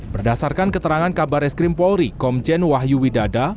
berdasarkan keterangan kabar eskrim polri komjen wahyu widada